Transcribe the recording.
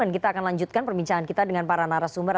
dan kita akan lanjutkan perbincangan kita dengan para narasumber